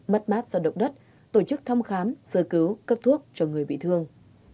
mất mát do động đất tổ chức thăm khám sơ cứu cấp thuốc cho người bị thương